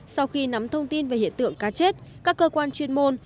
sau khi nắm thông tin về hiện tượng cá chết các cơ quan chuyên môn